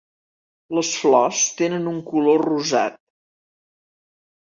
Les flors tenen un color rosat.